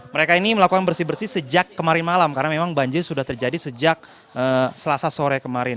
mereka ini melakukan bersih bersih sejak kemarin malam karena memang banjir sudah terjadi sejak selasa sore kemarin